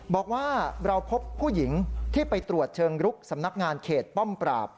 บอกว่าเราพบผู้หญิงที่ไปตรวจเชิงลุกสำนักงานเขตป้อมปราบ